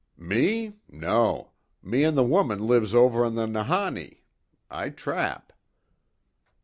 "Me? No. Me an' the woman lives over on the Nahanni. I trap."